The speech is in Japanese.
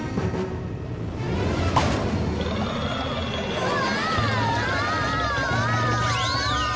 うわ！